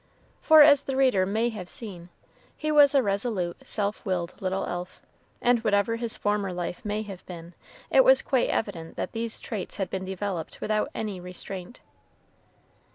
For, as the reader may have seen, he was a resolute, self willed little elf, and whatever his former life may have been, it was quite evident that these traits had been developed without any restraint.